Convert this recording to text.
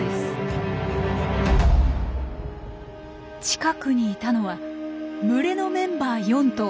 近くにいたのは群れのメンバー４頭。